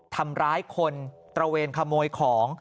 ทำร้ายคนตระเวนขโมยของ